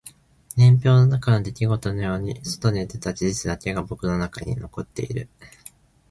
年表の中の出来事のように外に出た事実だけが僕の中に残っている